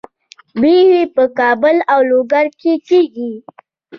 بیحي په کابل او لوګر کې کیږي.